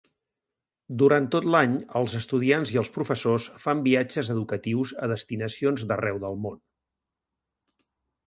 Durant tot l'any, els estudiants i els professors fan viatges educatius a destinacions d'arreu del món.